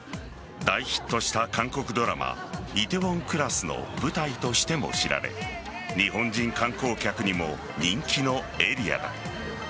大ヒットした韓国ドラマ「梨泰院クラス」の舞台としても知られ日本人観光客にも人気のエリアだ。